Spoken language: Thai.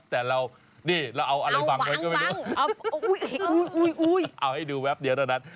แต่เรานี่เราเอาอะไรบังไว้ก็ไม่รู้เอาให้ดูแป๊บเดียวเท่านั้น